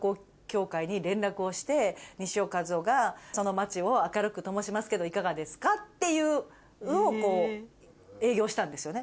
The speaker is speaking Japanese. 西尾一男がその街を明るくともしますけどいかがですか？っていうのを営業したんですよね。